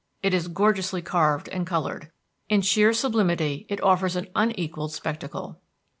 It is gorgeously carved and colored. In sheer sublimity it offers an unequalled spectacle.